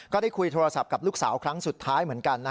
ก็ได้คุยโทรศัพท์กับลูกสาวครั้งสุดท้ายเหมือนกัน